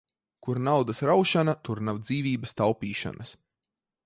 Kur naudas raušana, tur nav dzīvības taupīšanas.